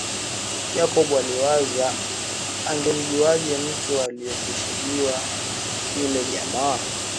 Jacob aliwaza angemjuaje mtu aliyekusudiwa yule jamaa